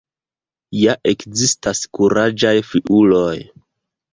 Ja ekzistas kuraĝaj fiuloj!